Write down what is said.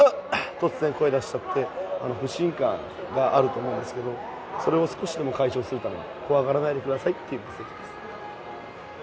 突然声出しちゃって不信感があると思うんですけどそれを少しでも解消するために怖がらないでくださいっていうメッセージです